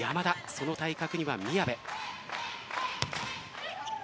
その対角には宮部。